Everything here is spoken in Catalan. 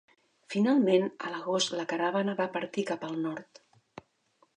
Finalment, a l'agost la caravana va partir cap al nord.